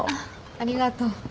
ありがとう。